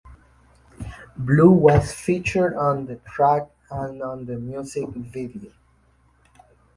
Blue was featured on the track and on the music video.